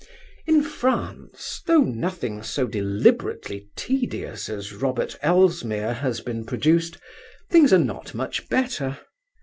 'In France, though nothing so deliberately tedious as Robert Elsmere has been produced, things are not much better.